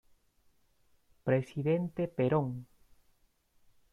Presidente Perón.